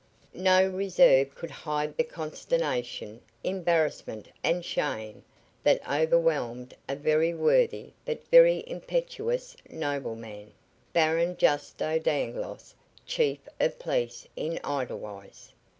No reserve could hide the consternation, embarrassment and shame that overwhelmed a very worthy but very impetuous nobleman, Baron Jasto Dangloss, chief of police in Edelweiss.